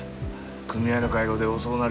組合の会合で遅なる